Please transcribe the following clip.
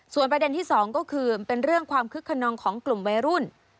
ประเด็นที่สองก็คือเป็นเรื่องความคึกขนองของกลุ่มวัยรุ่น